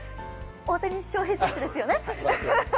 大谷翔平選手ですよね。